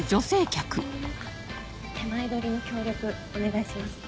手前取りに協力お願いします。